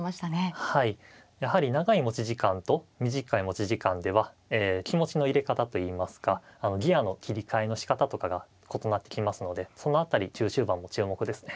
やはり長い持ち時間と短い持ち時間では気持ちの入れ方といいますかあのギアの切り替えのしかたとかが異なってきますのでその辺り中終盤も注目ですね。